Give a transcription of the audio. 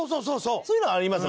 そういうのはありますよ